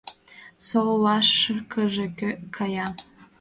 Солашкыже кая.